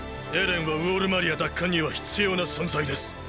エレンはウォール・マリア奪還には必要な存在です！